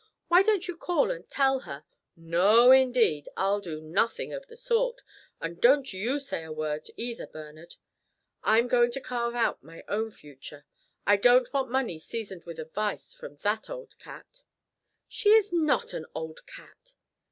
Why don't you call and tell her " "No, indeed. I'll do nothing of the sort. And don't you say a word either, Bernard. I'm going to carve out my own fortune. I don't want money seasoned with advice from that old cat." "She is not an old cat!"